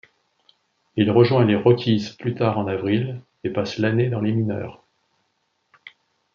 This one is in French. Il rejoint les Rockies plus tard en avril et passe l'année dans les mineures.